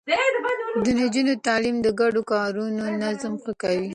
د نجونو تعليم د ګډو کارونو نظم ښه کوي.